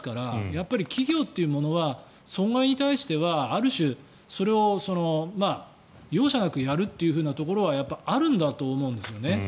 やっぱり企業というものは損害に対しては、ある種それを容赦なくやるというところはやっぱりあるんだと思うんですよね。